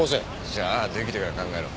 じゃあ出来てから考えろ。